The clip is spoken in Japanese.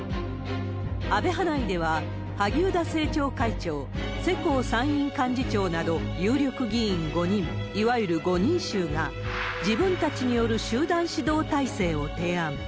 安倍派内では、萩生田政調会長、世耕参院幹事長など有力議員５人、いわゆる５人衆が、自分たちによる集団指導体制を提案。